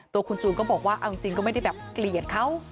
ตัวคุณจูนก็บอกว่าเอาจริงก็ไม่ได้แบบเกลียดเขา